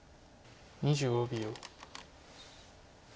２５秒。